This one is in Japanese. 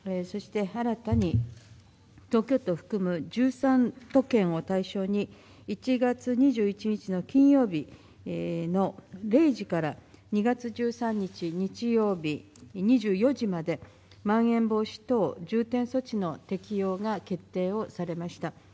そして新たに東京都を含む１３都県を対象に１月２１日の金曜日の０時から、２月１３日、日曜日２４時間までまん延防止等重点措置の適用が決定をされました。